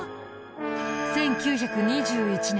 １９２１年